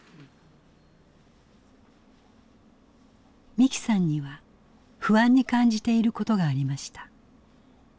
美紀さんには不安に感じていることがありました。